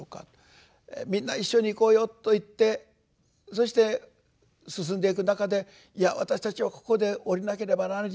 「みんな一緒に行こうよ」と言ってそして進んでいく中で「いや私たちはここでおりなければなりません。